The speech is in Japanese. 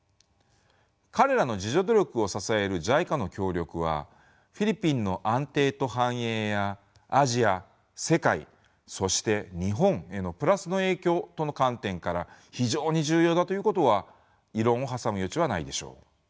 彼らの自助努力を支えるＪＩＣＡの協力はフィリピンの安定と繁栄やアジア世界そして日本へのプラスの影響との観点から非常に重要だということは異論を挟む余地はないでしょう。